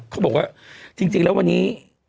เขาบอกว่าจริงแล้ววันนี้